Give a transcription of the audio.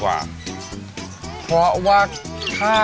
อื้อ